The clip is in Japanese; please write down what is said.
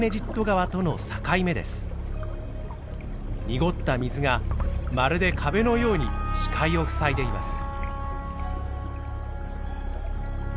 濁った水がまるで壁のように視界を塞いでいます。